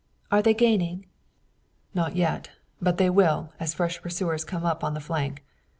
"Are they gaining?" "Not yet. But they will, as fresh pursuers come up on the flank.